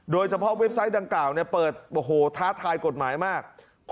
โดยเฉพาะเว็บไซต์ดังกล่าวเปิดท้าทายกฎหมายมาก